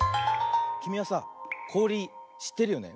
きみはさこおりしってるよね？